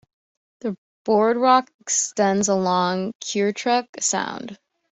The boardwalk extends along Currituck Sound.